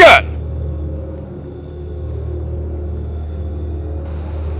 kemana anak itu